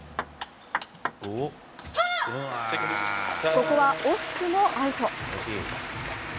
ここは惜しくもアウト。